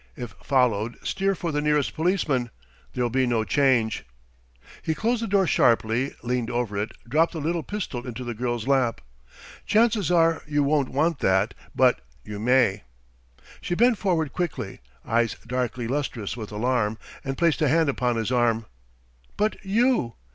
If followed steer for the nearest policeman. There'll be no change." He closed the door sharply, leaned over it, dropped the little pistol into the girl's lap. "Chances are you won't want that but you may." She bent forward quickly, eyes darkly lustrous with alarm, and placed a hand upon his arm. "But you?"